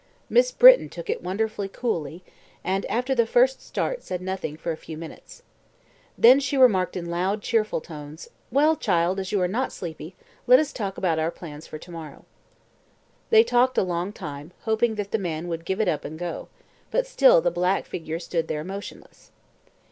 Miss Britton took it wonderfully coolly, and after the first start said nothing for a few minutes. Then she remarked in loud, cheerful tones, "Well, child, as you are not sleepy, let us talk about our plans for to morrow." They talked a long time, hoping that the man would give it up and go; but still the black figure stood there motionless.